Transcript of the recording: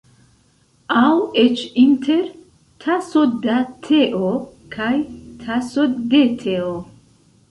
Aŭ eĉ inter ‘taso da teo’ kaj ‘taso de teo’?